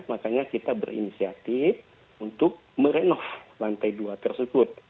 makanya kita berinisiatif untuk merenoh lantai dua tersebut